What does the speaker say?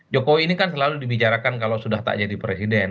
jokowi ini kan selalu dibicarakan kalau sudah tak jadi presiden